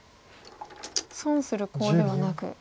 損するコウではなく。